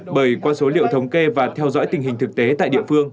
bởi qua số liệu thống kê và theo dõi tình hình thực tế tại địa phương